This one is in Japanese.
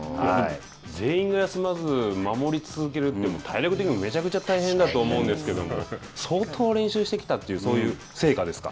全員が休まず守り続けるって、体力的にもめちゃくちゃ大変だと思いますけれども、相当練習してきたという、そういう成果ですか。